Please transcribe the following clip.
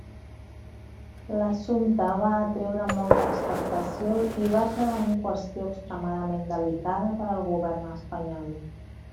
L'assumpte va atreure molta expectació i va esdevenir qüestió extremadament delicada per al Govern espanyol.